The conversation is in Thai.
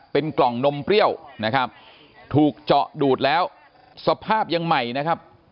เป็นกล่องนมเปรี้ยวนะครับถูกเจาะดูดแล้วสภาพยังใหม่นะครับ